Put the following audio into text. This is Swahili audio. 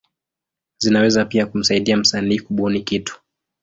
Zinaweza pia kumsaidia msanii kubuni kitu.